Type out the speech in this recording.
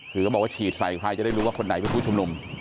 คือก็บอกว่าฉีดใส่ใครจะได้รู้ว่าคนไหนเป็นผู้ชุมนุม